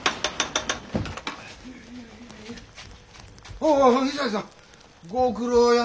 おお伊三治さんご苦労やな。